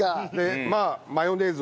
あっマヨネーズ？